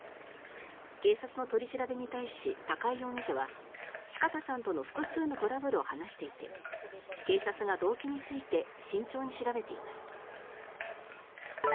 警察の取り調べに対し高井容疑者は四方さんとの複数のトラブルを話していて警察が動機について慎重に調べています。